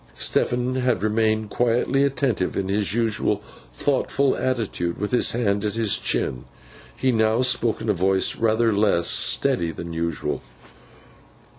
Stephen had remained quietly attentive, in his usual thoughtful attitude, with his hand at his chin. He now spoke in a voice rather less steady than usual.